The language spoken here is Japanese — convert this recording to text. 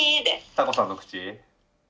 タコさんの口？